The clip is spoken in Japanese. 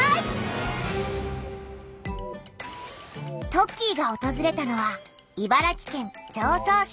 トッキーがおとずれたのは茨城県常総市。